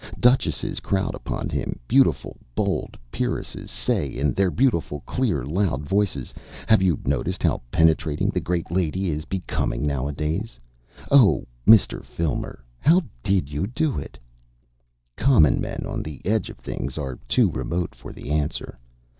Duchesses crowd upon him, beautiful, bold peeresses say in their beautiful, clear loud voices have you noticed how penetrating the great lady is becoming nowadays? 'Oh, Mr. Filmer, how DID you do it?' "Common men on the edge of things are too remote for the answer.